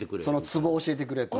ツボを教えてくれと。